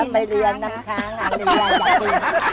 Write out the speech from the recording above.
แล้วไปเรียนน้ำค้างอันนี้เรียนแบบนี้